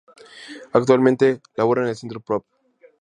Actualmente labora en el Centro Prov.